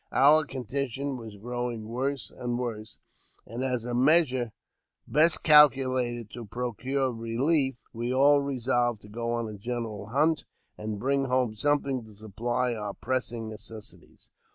Our condition was growing worse and worse ; and, as a measure best calculated to procure relief, we all resolved to go on a general hunt, and bring home something to supply our pressing necessities.